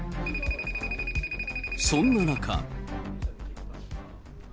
そんな中。